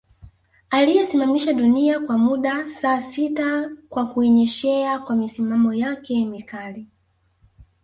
Aliyesimamisha dunia kwa muda saa sita kwa kuienyesha kwa misimamo yake mikali